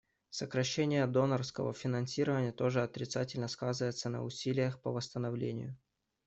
Сокращение донорского финансирования тоже отрицательно сказывается на усилиях по восстановлению.